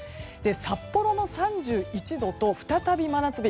札幌も３１度と再び真夏日。